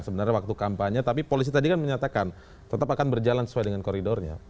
sebenarnya waktu kampanye tapi polisi tadi kan menyatakan tetap akan berjalan sesuai dengan koridornya